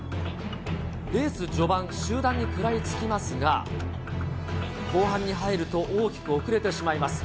レース序盤、集団に食らいつきますが、後半に入ると、大きく遅れてしまいます。